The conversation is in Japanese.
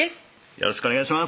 よろしくお願いします